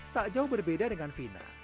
tak jauh berbeda dengan vina